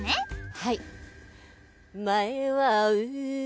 はい。